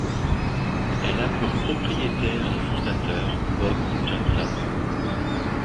Elle a pour propriétaire et fondateur Bob Johnson.